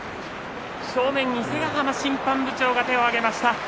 正面、伊勢ヶ濱審判部長が手を挙げました。